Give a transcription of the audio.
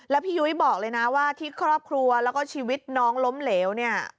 แล้วพี่ยุ้ยบอกเลยนะว่าที่ครอบครัวแล้วก็ชีวิตน้องล้มเหลวเนี่ย